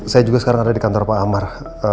saya juga sekarang ada di kantor pak amar